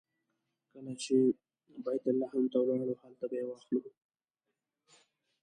کله چې بیت لحم ته لاړو هلته به یې واخلو.